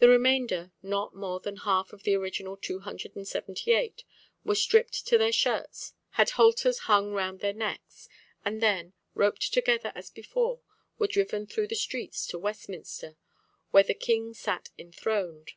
The remainder, not more than half of the original two hundred and seventy eight, were stripped to their shirts, had halters hung round their necks, and then, roped together as before, were driven through the streets to Westminster, where the King sat enthroned.